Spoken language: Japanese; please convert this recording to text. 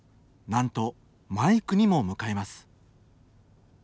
なんとマイクにも向かいます。